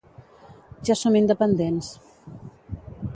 Ja som independents